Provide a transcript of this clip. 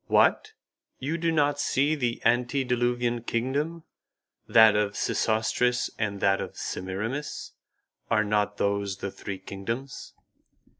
"What! You do not see the antediluvian kingdom, that of Sesostris and that of Semiramis? Are not those the three kingdoms?"